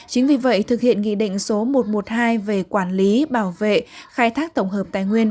chính vì vậy thực hiện nghị định số một trăm một mươi hai về quản lý bảo vệ khai thác tổng hợp tài nguyên